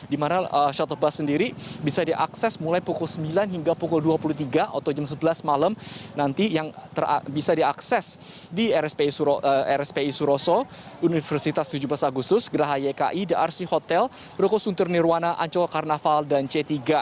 di mana shut of bus sendiri bisa diakses mulai pukul sembilan hingga pukul dua puluh tiga atau jam sebelas malam nanti yang bisa diakses di rspi suroso universitas tujuh belas agustus geraha yki drc hotel ruko suntur nirwana ancol carnaval dan c tiga